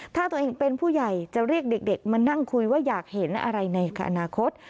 ถ้าตัวเองเป็นผู้ใหญ่จะเรียกเด็กมานั่งคุยว่าอยากเห็นอะไรในอนาคต